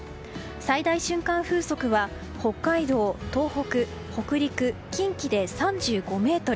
最大瞬間風速は北海道、東北、北陸、近畿で３５メートル